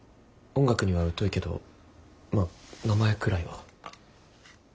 音楽には疎いけどまあ名前くらいは。